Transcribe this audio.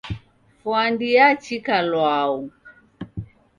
Fwandi yachika lwau